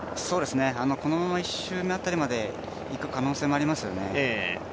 このまま１周目辺りまでいく可能性もありますよね。